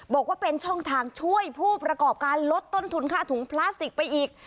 บอกว่าเป็นช่องทางช่วยผู้ประกอบการลดต้นทุนค่าถุงพลาสติกไปอีก